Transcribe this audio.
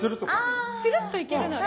つるっといけるのが。